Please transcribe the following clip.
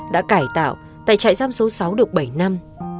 đã cải tạo tại trại giam số sáu được bảy năm